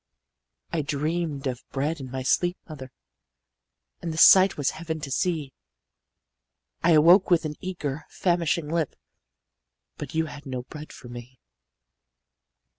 I dreamed of bread in my sleep, mother, And the sight was heaven to see I awoke with an eager, famishing lip, But you had no bread for me.